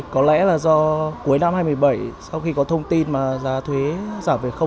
có lẽ là do cuối năm hai nghìn một mươi bảy sau khi có thông tin mà giá thuế giảm về